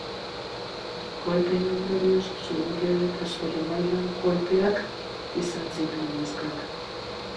Kolpeen ondorioz, sudurrean eta sorbaldan kolpeak izan zituen neskak.